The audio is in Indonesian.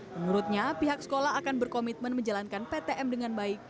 menurutnya pihak sekolah akan berkomitmen menjalankan ptm dengan baik